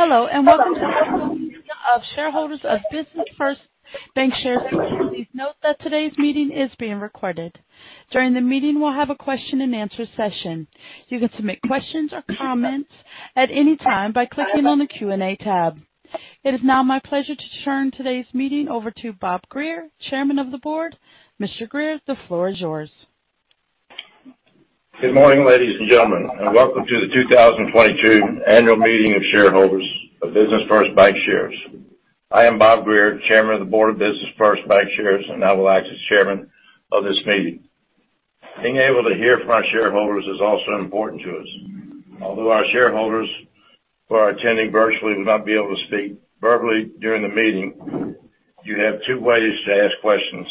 Hello, and Welcome to the Annual Meeting of Shareholders of Business First Bancshares. Please note that today's meeting is being recorded. During the meeting, we'll have a question and answer session. You can submit questions or comments at any time by clicking on the Q&A tab. It is now my pleasure to turn today's meeting over to Bob Greer, Chairman of the Board. Mr. Greer, the floor is yours. Good morning, ladies and gentlemen, and welcome to the 2022 annual meeting of shareholders of Business First Bancshares. I am Bob Greer, Chairman of the Board of Business First Bancshares, and I will act as chairman of this meeting. Being able to hear from our shareholders is also important to us. Although our shareholders who are attending virtually will not be able to speak verbally during the meeting, you have two ways to ask questions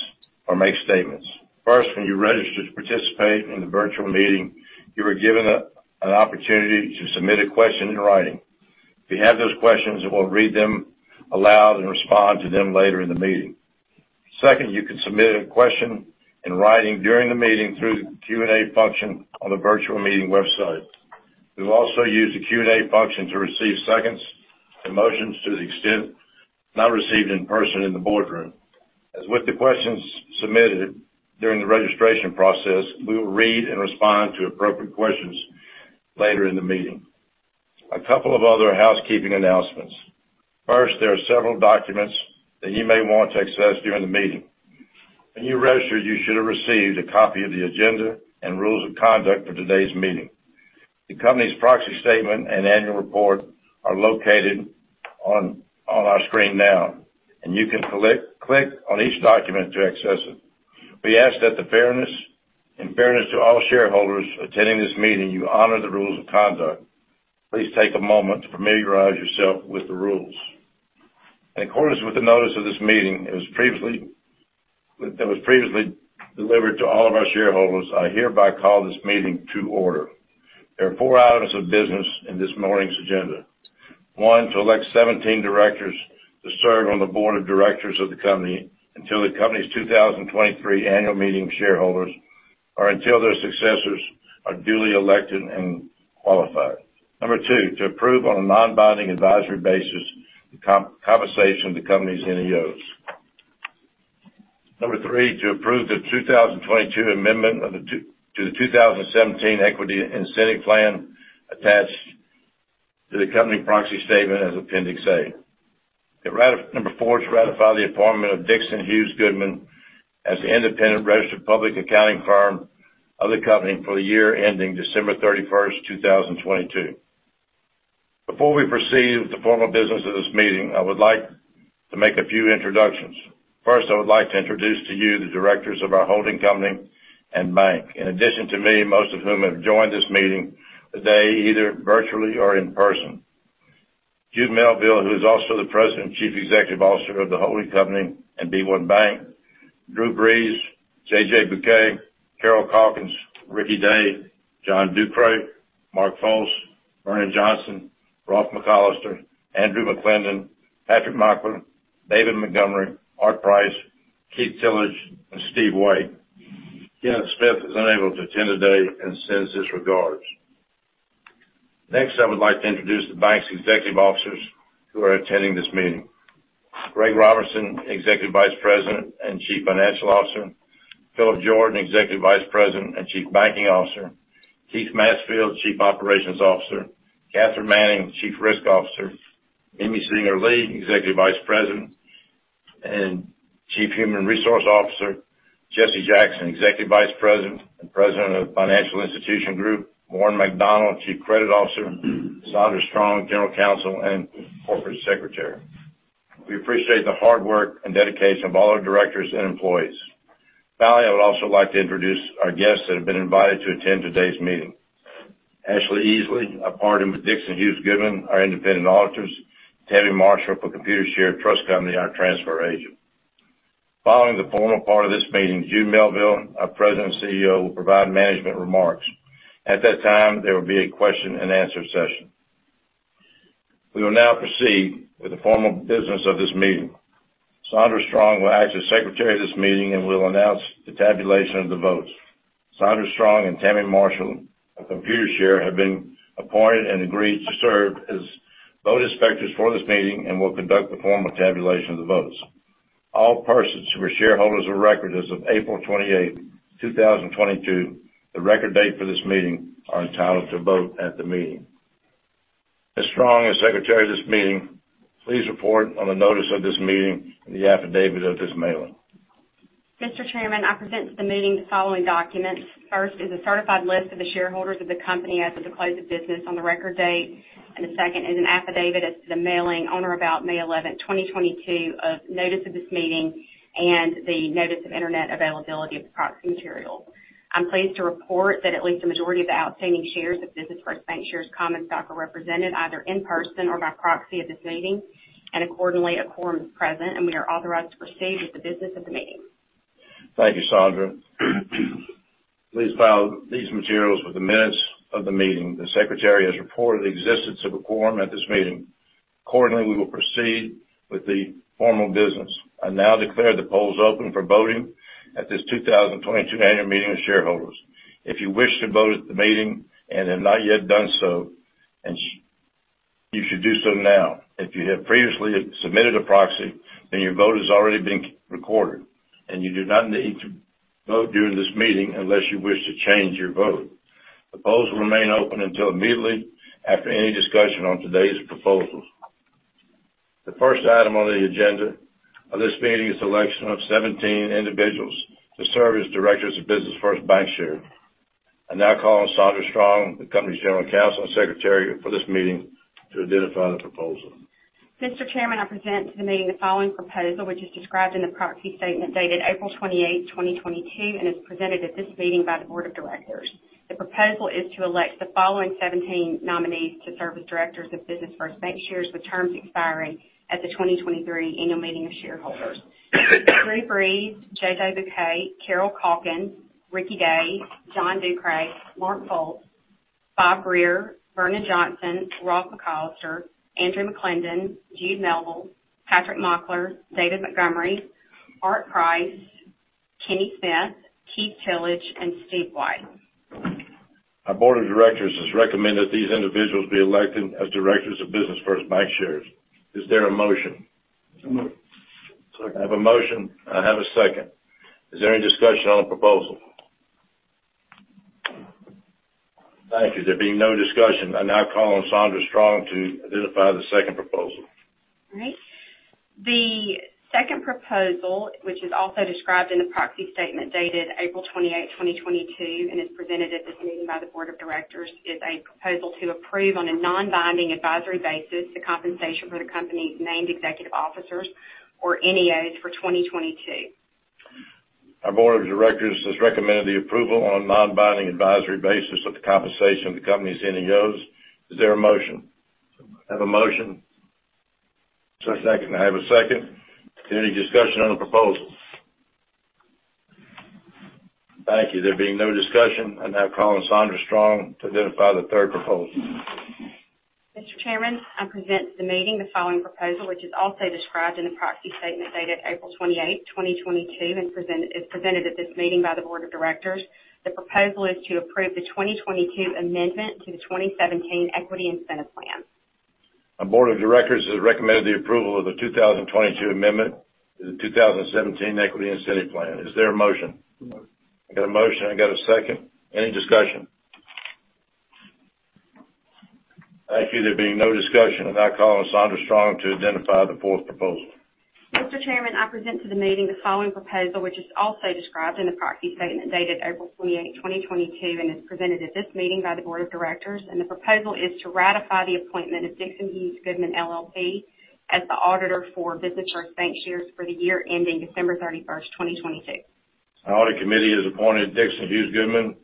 or make statements. First, when you registered to participate in the virtual meeting, you were given an opportunity to submit a question in writing. If you have those questions, we'll read them aloud and respond to them later in the meeting. Second, you can submit a question in writing during the meeting through the Q&A function on the virtual meeting website. We'll also use the Q&A function to receive seconds and motions to the extent not received in person in the boardroom. As with the questions submitted during the registration process, we will read and respond to appropriate questions later in the meeting. A couple of other housekeeping announcements. First, there are several documents that you may want to access during the meeting. When you registered, you should have received a copy of the agenda and rules of conduct for today's meeting. The company's proxy statement and annual report are located on our screen now, and you can click on each document to access it. We ask, in fairness to all shareholders attending this meeting, you honor the rules of conduct. Please take a moment to familiarize yourself with the rules. In accordance with the notice of this meeting, that was previously delivered to all of our shareholders, I hereby call this meeting to order. There are four items of business in this morning's agenda. One, to elect 17 directors to serve on the board of directors of the company until the company's 2023 annual meeting of shareholders or until their successors are duly elected and qualified. Number two, to approve on a non-binding advisory basis the compensation of the company's NEOs. Number three, to approve the 2022 amendment to the 2017 equity incentive plan attached to the company proxy statement as Appendix A. Number four, to ratify the appointment of Dixon Hughes Goodman as the independent registered public accounting firm of the company for the year ending December 31, 2022. Before we proceed with the formal business of this meeting, I would like to make a few introductions. First, I would like to introduce to you the directors of our holding company and bank. In addition to me, most of whom have joined this meeting today, either virtually or in person. Jude Melville, who is also the President and Chief Executive Officer of the holding company and b1BANK. Ruediger Bruegger, J.J. Buquet, Carol Calkins, Ricky Day, John Ducrest, Mark Folse, J. Vernon Johnson, Rolfe McCollister, Andrew D. McLindon, Patrick Mockler, David Montgomery, Arthur J. Price, Keith Tillage, and Steve White. Kenneth Smith is unable to attend today and sends his regards. Next, I would like to introduce the bank's executive officers who are attending this meeting. Greg Robertson, Executive Vice President and Chief Financial Officer. Philip Jordan, Executive Vice President and Chief Banking Officer. Keith Mansfield, Chief Operations Officer. Kathryn Manning, Chief Risk Officer. Mimi Singer-Lee, Executive Vice President and Chief Human Resource Officer. Jesse Jackson, Executive Vice President and President of Financial Institution Group. Warren McDonald, Chief Credit Officer. Saundra Strong, General Counsel and Corporate Secretary. We appreciate the hard work and dedication of all our directors and employees. Finally, I would also like to introduce our guests that have been invited to attend today's meeting. Ashley Easley, a partner with Dixon Hughes Goodman, our independent auditors. Tammy Marshall for Computershare Trust Company, our transfer agent. Following the formal part of this meeting, Jude Melville, our President and CEO, will provide management remarks. At that time, there will be a question and answer session. We will now proceed with the formal business of this meeting. Saundra Strong will act as Secretary of this meeting and will announce the tabulation of the votes. Saundra Strong and Tammy Marshall of Computershare have been appointed and agreed to serve as vote inspectors for this meeting and will conduct the formal tabulation of the votes. All persons who are shareholders of record as of April 28th, 2022, the record date for this meeting, are entitled to vote at the meeting. Ms. Strong, as Secretary of this meeting, please report on the notice of this meeting and the affidavit of this mailing. Mr. Chairman, I present to the meeting the following documents. First is a certified list of the shareholders of the company as of the close of business on the record date. The second is an affidavit as to the mailing on or about May 11th, 2022, of notice of this meeting and the notice of internet availability of the proxy material. I'm pleased to report that at least a majority of the outstanding shares of Business First Bancshares common stock are represented either in person or by proxy at this meeting, and accordingly, a quorum is present, and we are authorized to proceed with the business of the meeting. Thank you, Saundra. Please file these materials with the minutes of the meeting. The secretary has reported the existence of a quorum at this meeting. Accordingly, we will proceed with the formal business. I now declare the polls open for voting at this 2022 annual meeting of shareholders. If you wish to vote at the meeting and have not yet done so, you should do so now. If you have previously submitted a proxy, then your vote has already been recorded, and you do not need to vote during this meeting unless you wish to change your vote. The polls will remain open until immediately after any discussion on today's proposals. The first item on the agenda of this meeting is election of 17 individuals to serve as directors of Business First Bancshares. I now call on Saundra Strong, the company's General Counsel and Secretary for this meeting, to identify the proposal. Mr. Chairman, I present to the meeting the following proposal, which is described in the proxy statement dated April 28th, 2022, and is presented at this meeting by the board of directors. The proposal is to elect the following 17 nominees to serve as directors of Business First Bancshares with terms expiring at the 2023 annual meeting of shareholders. Ruediger G. Bruegger, J.J. Buquet, Carol Calkins, Ricky Day, John Ducrest, Mark Folse, Bob Greer, Vernon Johnson, Rolfe McCollister, Andrew D. McLindon, Jude Melville, Patrick Mockler, David Montgomery, Arthur J. Price, Kenneth Smith, Keith Tillage, and Steve White. Our board of directors has recommended these individuals be elected as directors of Business First Bancshares. Is there a motion? Moved. I have a motion. I have a second. Is there any discussion on the proposal? Thank you. There being no discussion, I now call on Saundra Strong to identify the second proposal. All right. The second proposal, which is also described in the proxy statement dated April 28th, 2022, and is presented at this meeting by the board of directors, is a proposal to approve on a non-binding advisory basis the compensation for the company's named executive officers, or NEOs, for 2022. Our board of directors has recommended the approval on a non-binding advisory basis of the compensation of the company's NEOs. Is there a motion? Moved. I have a motion. Is there a second? I have a second. Is there any discussion on the proposal? Thank you. There being no discussion, I now call on Saundra Strong to identify the third proposal. Mr. Chairman, I present to the meeting the following proposal, which is also described in the proxy statement dated April 28th, 2022, is presented at this meeting by the board of directors. The proposal is to approve the 2022 amendment to the 2017 equity incentive plan. Our board of directors has recommended the approval of the 2022 amendment to the 2017 equity incentive plan. Is there a motion? Moved. I got a motion. I got a second. Any discussion? Thank you. There being no discussion, I now call on Saundra Strong to identify the fourth proposal. Mr. Chairman, I present to the meeting the following proposal, which is also described in the proxy statement dated April 28th, 2022, and is presented at this meeting by the board of directors. The proposal is to ratify the appointment of Dixon Hughes Goodman LLP as the auditor for Business First Bancshares for the year ending December 31st, 2022. Our audit committee has appointed Dixon Hughes Goodman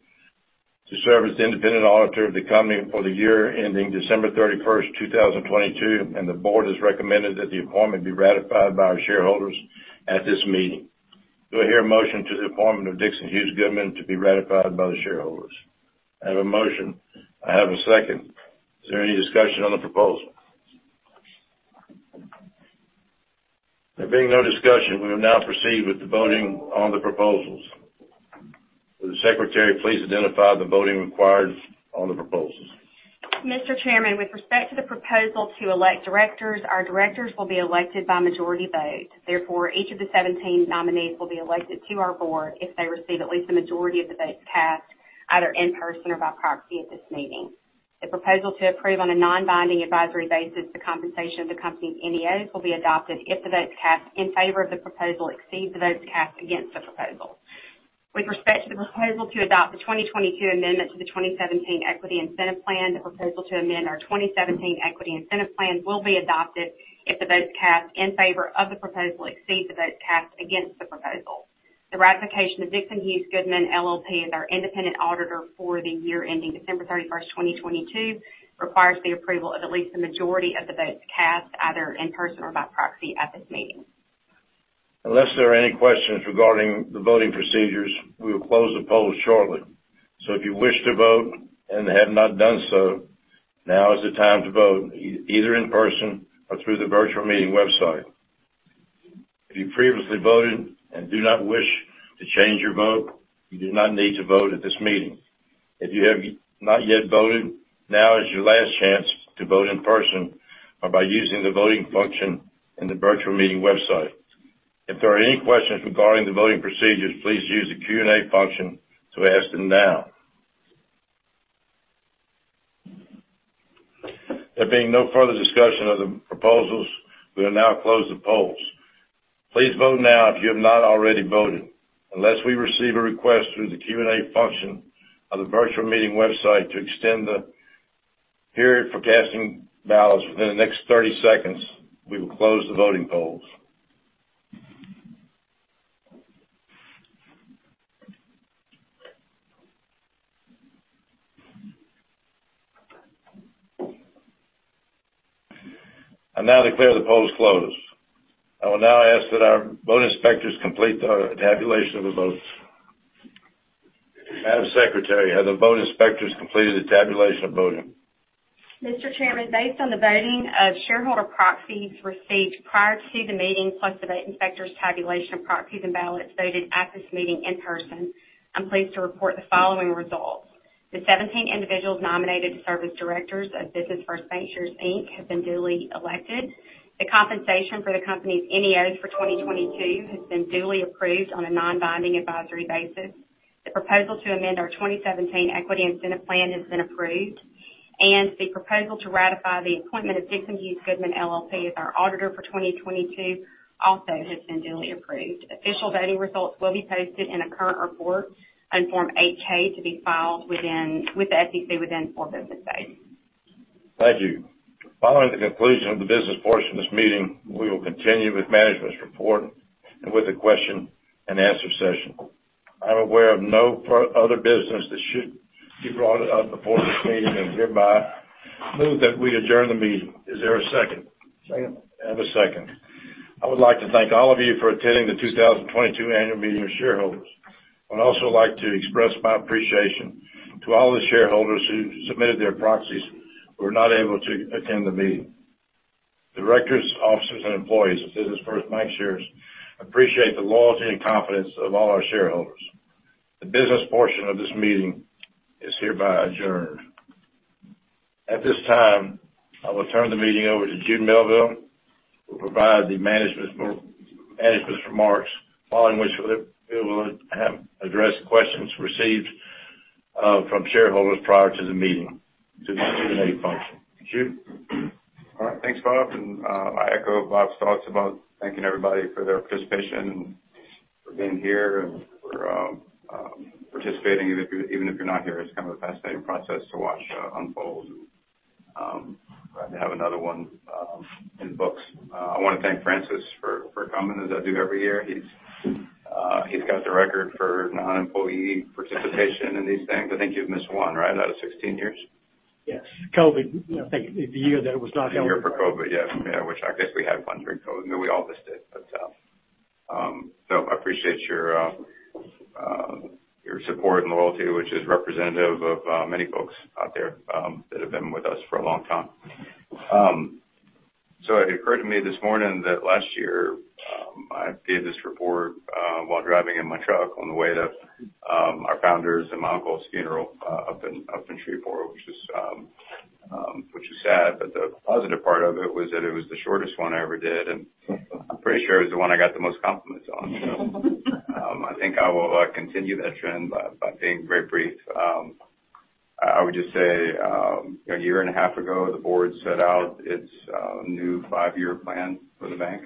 to serve as the independent auditor of the company for the year ending December 31st, 2022, and the board has recommended that the appointment be ratified by our shareholders at this meeting. Do I hear a motion to the appointment of Dixon Hughes Goodman to be ratified by the shareholders? I have a motion. I have a second. Is there any discussion on the proposal? There being no discussion, we will now proceed with the voting on the proposals. Will the secretary please identify the voting required on the proposals. Mr. Chairman, with respect to the proposal to elect directors, our directors will be elected by majority vote. Therefore, each of the 17 nominees will be elected to our board if they receive at least a majority of the votes cast, either in person or by proxy at this meeting. The proposal to approve on a non-binding advisory basis the compensation of the company's NEOs will be adopted if the votes cast in favor of the proposal exceed the votes cast against the proposal. With respect to the proposal to adopt the 2022 amendment to the 2017 equity incentive plan, the proposal to amend our 2017 equity incentive plan will be adopted if the votes cast in favor of the proposal exceed the votes cast against the proposal. The ratification of Dixon Hughes Goodman LLP as our independent auditor for the year ending December 31st, 2022, requires the approval of at least a majority of the votes cast, either in person or by proxy at this meeting. Unless there are any questions regarding the voting procedures, we will close the poll shortly. If you wish to vote and have not done so, now is the time to vote either in person or through the virtual meeting website. If you previously voted and do not wish to change your vote, you do not need to vote at this meeting. If you have not yet voted, now is your last chance to vote in person or by using the voting function in the virtual meeting website. If there are any questions regarding the voting procedures, please use the Q&A function to ask them now. There being no further discussion on the proposals, we will now close the polls. Please vote now if you have not already voted. Unless we receive a request through the Q&A function on the virtual meeting website to extend the period for casting ballots within the next 30 seconds, we will close the voting polls. I now declare the polls closed. I will now ask that our vote inspectors complete the tabulation of the votes. Madam Secretary, have the vote inspectors completed the tabulation of voting? Mr. Chairman, based on the voting of shareholder proxies received prior to the meeting, plus the vote inspectors' tabulation of proxies and ballots voted at this meeting in person, I'm pleased to report the following results. The 17 individuals nominated to serve as directors of Business First Bancshares, Inc. have been duly elected. The compensation for the company's NEOs for 2022 has been duly approved on a non-binding advisory basis. The proposal to amend our 2017 equity incentive plan has been approved. The proposal to ratify the appointment of Dixon Hughes Goodman LLP as our auditor for 2022 also has been duly approved. Official voting results will be posted in a current report on Form 8-K to be filed with the SEC within 4 business days. Thank you. Following the conclusion of the business portion of this meeting, we will continue with management's report and with the question and answer session. I'm aware of no other business that should be brought up before this meeting and hereby move that we adjourn the meeting. Is there a second? Second. I have a second. I would like to thank all of you for attending the 2022 annual meeting of shareholders. I would also like to express my appreciation to all the shareholders who submitted their proxies but were not able to attend the meeting. Directors, officers, and employees of Business First Bancshares appreciate the loyalty and confidence of all our shareholders. The business portion of this meeting is hereby adjourned. At this time, I will turn the meeting over to Jude Melville, who will provide the management's remarks, following which we will address questions received from shareholders prior to the meeting through the Q&A function. Jude? All right. Thanks, Bob. I echo Bob's thoughts about thanking everybody for their participation and for being here and for participating even if you're not here. It's kind of a fascinating process to watch unfold. Glad to have another one in the books. I wanna thank Francis for coming, as I do every year. He's got the record for non-employee participation in these things. I think you've missed 1, right, out of 16 years? Yes. COVID. I think the year for COVID, yes, which I guess we had fun during COVID. I mean, we all missed it, but so I appreciate your support and loyalty, which is representative of many folks out there that have been with us for a long time. It occurred to me this morning that last year I did this report while driving in my truck on the way to our founder's and my uncle's funeral up in Shreveport, which is sad, but the positive part of it was that it was the shortest one I ever did, and I'm pretty sure it was the one I got the most compliments on. I think I will continue that trend by being very brief. I would just say a year and a half ago, the board set out its new five-year plan for the bank,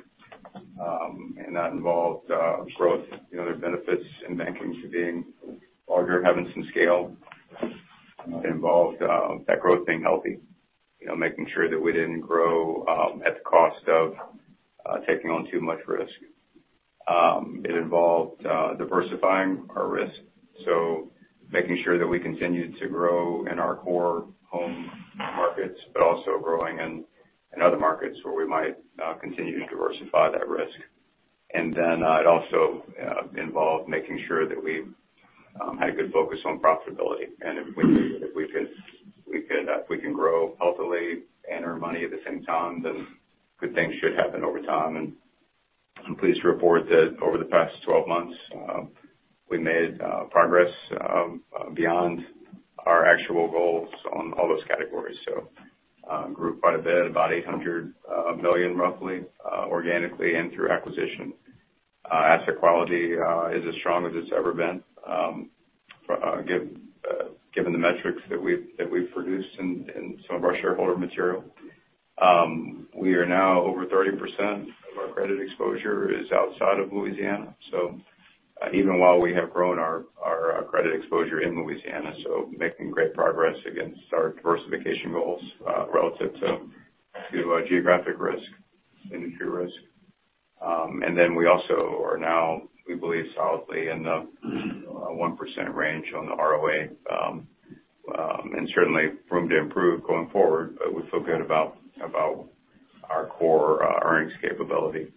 and that involved growth. You know, there are benefits in banking to being larger, having some scale. It involved that growth being healthy. You know, making sure that we didn't grow at the cost of taking on too much risk. It involved diversifying our risk, so making sure that we continued to grow in our core home markets, but also growing in other markets where we might continue to diversify that risk. It also involved making sure that we had a good focus on profitability. If we can grow healthily and earn money at the same time, then good things should happen over time. I'm pleased to report that over the past 12 months, we made progress beyond our actual goals on all those categories. We grew quite a bit, about $800 million roughly, organically and through acquisition. Asset quality is as strong as it's ever been, given the metrics that we've produced in some of our shareholder material. We are now over 30% of our credit exposure is outside of Louisiana. Even while we have grown our credit exposure in Louisiana, making great progress against our diversification goals, relative to geographic risk, industry risk. We also are now, we believe, solidly in the 1% range on the ROA. Certainly room to improve going forward, but we feel good about our core earnings capability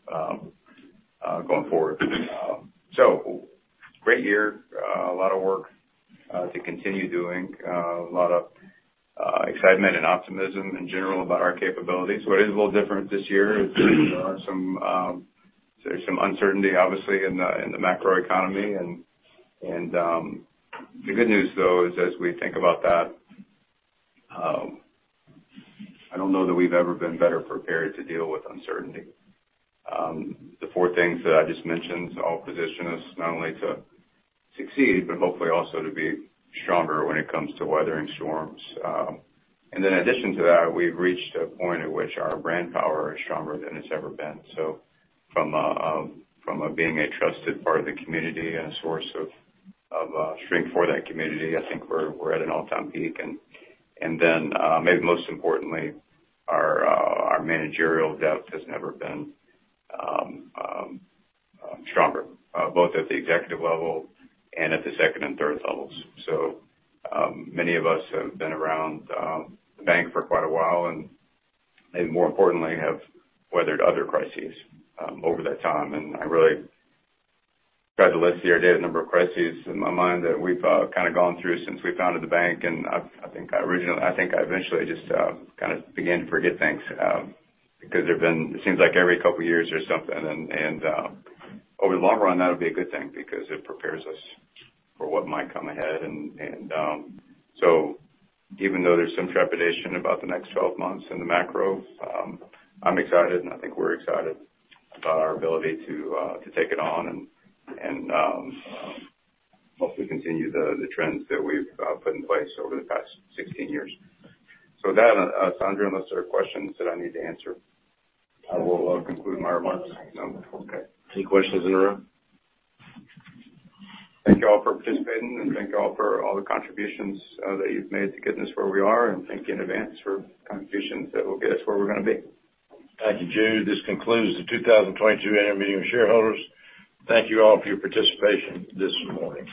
going forward. Great year. A lot of work to continue doing. A lot of excitement and optimism in general about our capabilities. What is a little different this year is, there's some uncertainty obviously in the macroeconomy. The good news though is, as we think about that, I don't know that we've ever been better prepared to deal with uncertainty. The four things that I just mentioned all position us not only to succeed, but hopefully also to be stronger when it comes to weathering storms. In addition to that, we've reached a point at which our brand power is stronger than it's ever been. From being a trusted part of the community and a source of strength for that community, I think we're at an all-time peak. Then, maybe most importantly, our managerial depth has never been stronger, both at the executive level and at the second and third levels. Many of us have been around the bank for quite a while, and maybe more importantly, have weathered other crises over that time. I think I eventually just kinda began to forget things because there've been, it seems like every couple years or something. Over the long run, that'll be a good thing because it prepares us for what might come ahead. Even though there's some trepidation about the next 12 months in the macro, I'm excited and I think we're excited about our ability to take it on and hopefully continue the trends that we've put in place over the past 16 years. With that, Saundra, unless there are questions that I need to answer, I will conclude my remarks. No? Okay. Any questions in the room? Thank you all for participating, and thank you all for all the contributions that you've made to getting us where we are. Thank you in advance for contributions that will get us where we're gonna be. Thank you, Jude. This concludes the 2022 Annual Meeting of Shareholders. Thank you all for your participation this morning.